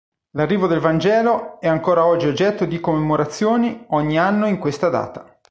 L'arrivo del Vangelo è ancora oggi oggetto di commemorazioni ogni anno in questa data.